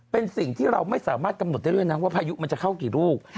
เป็นสิ่งที่เราไม่สามารถกำหนดได้ด้วยนะว่าพายุมันจะเข้ากี่ลูก